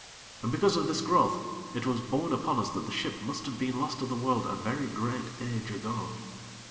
And because of this growth, it was borne upon us that the ship must have been lost to the world a very great age ago.